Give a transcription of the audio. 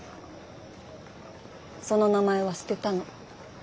その名前は捨てたの。